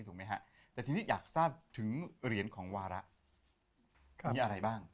ไหมฮะแต่ทีนี้อยากทราบถึงเหรียญของวาระมีอะไรบ้าง